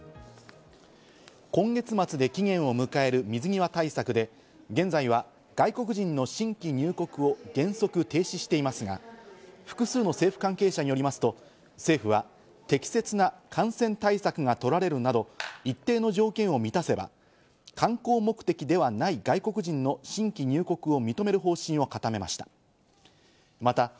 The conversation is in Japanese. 今月末で期限を迎える水際対策で、現在は外国人の新規入国を原則停止していますが、複数の政府関係者によりますと、政府は適切な感染対策が取られるなど、一定の条件を満たせば観光目的ではない外国人の新規入国を認める方針を固めました。